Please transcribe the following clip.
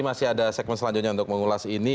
masih ada segmen selanjutnya untuk mengulas ini